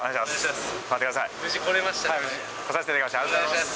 ありがとうございます。